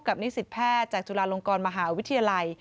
นิสิตแพทย์จากจุฬาลงกรมหาวิทยาลัย